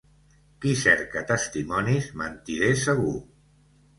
Qui cerca testimonis, mentider segur.